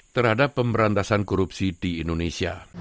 terhadap pemberantasan korupsi di indonesia